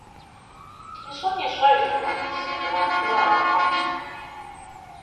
ИщӀэн ищӀэжыркъым, сызэгуигъэпыну арагъэнщ.